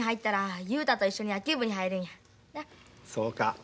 そうか。